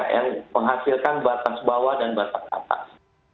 yang menghasilkan batas bawah dan batas atas